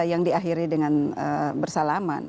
yang diakhiri dengan bersalaman